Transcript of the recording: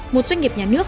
một doanh nghiệp nhà nước